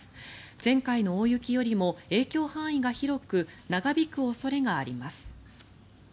前回の大雪よりも影響範囲が広く長引く恐れがあります。